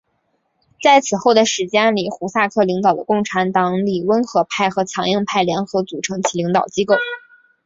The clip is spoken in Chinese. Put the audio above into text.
在此后的时间里胡萨克领导的共产党里温和派和强硬派联合组成其领导机构。